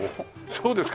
そうですか？